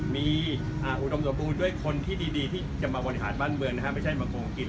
มีอุดมสมบูรณ์ด้วยคนที่ดีที่จะมาบริหารบ้านเมืองนะฮะไม่ใช่มาขอกิน